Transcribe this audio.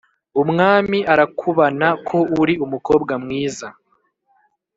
umwami arakubana ko uri umukobwa mwiza"